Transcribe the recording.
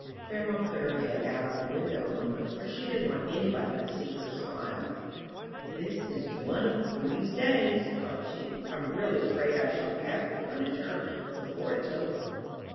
'" Grandma put her head out of the window a moment, for she didn't want any body to see her smile. "This is one of Prudy's days," thought she. "I'm really afraid I shall have to punish her before it's over."